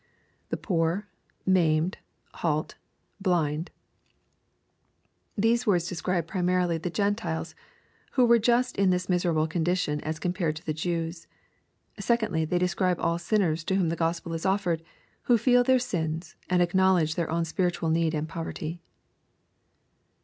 [The poor..,7ruiimed...haU...hUnd.] These words describe prim arily the Gentiles, who were just in this miserable condition aa compared to the Jews. Secondly, they describe all sinners to whom the Gospel is offered, who feel their sins, and acknowledge their own spiritual need and poverty.